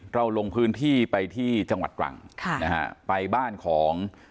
ลงพื้นที่ไปที่จังหวัดตรังค่ะนะฮะไปบ้านของ